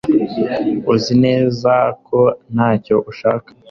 Uzi neza ko ntacyo ushaka